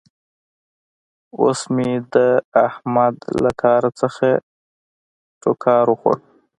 اوس مې د احمد له کار څخه ټوکار وخوړ.